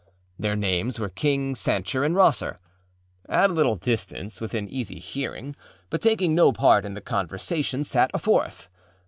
Their names were King, Sancher and Rosser. At a little distance, within easy hearing, but taking no part in the conversation, sat a fourth.